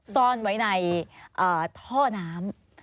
ซ่อนไว้ในท่อน้ำ